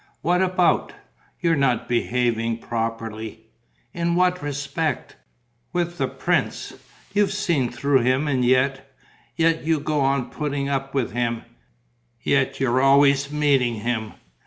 "What about?" "You're not behaving properly." "In what respect?" "With the prince. You've seen through him and yet ... yet you go on putting up with him, yet you're always meeting him.